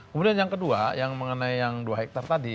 kemudian yang kedua yang mengenai yang dua hektare tadi